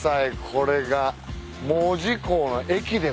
これが。